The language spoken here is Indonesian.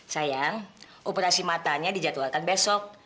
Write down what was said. sayang operasi matanya dijadwalkan besok